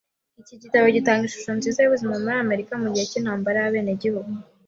Iki gitabo gitanga ishusho nziza yubuzima muri Amerika mugihe cyintambara yabenegihugu.